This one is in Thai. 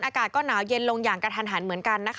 อากาศก็หนาวเย็นลงอย่างกระทันหันเหมือนกันนะคะ